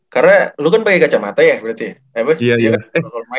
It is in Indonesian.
karena lu kan pake kacamata ya berarti